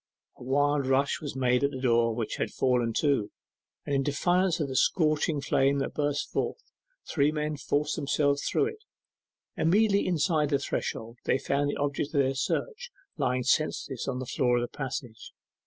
A wild rush was made at the door, which had fallen to, and in defiance of the scorching flame that burst forth, three men forced themselves through it. Immediately inside the threshold they found the object of their search lying senseless on the floor of the passage.